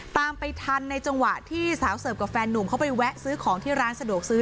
ตามไปทันในจังหวะที่สาวเสิร์ฟกับแฟนหนุ่มเขาไปแวะซื้อของที่ร้านสะดวกซื้อ